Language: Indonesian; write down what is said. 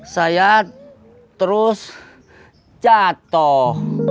saya terus jatuh